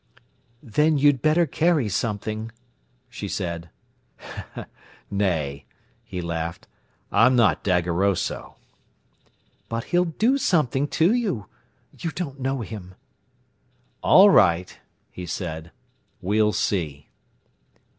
"Then you'd better carry something," she said. "Nay," he laughed; "I'm not daggeroso." "But he'll do something to you. You don't know him." "All right," he said, "we'll see."